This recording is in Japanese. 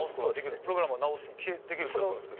プログラムは直すことができる気がするんですけど。